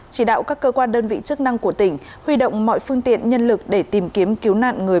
chỉ đạo các cơ quan đơn vị chức năng của tỉnh huy động mọi phương tiện nhân lực để tìm kiếm cứu nạn người